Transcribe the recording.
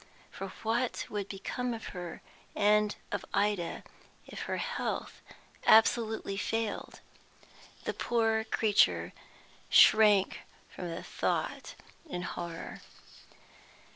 For what would become of her and of Ida if her health absolutely failed? The poor creature shrank from the thought in horror.